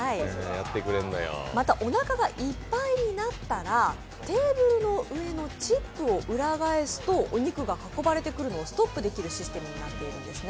またおなかがいっぱいになったらテーブルの上のチップを裏返すとお肉が運ばれてくるのをストックできるシステムになっているんですね。